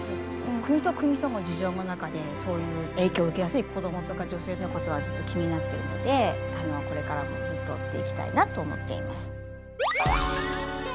国と国との事情の中でそういう影響を受けやすい子供とか女性のことはずっと気になってるのでこれからもずっと追っていきたいなと思っています。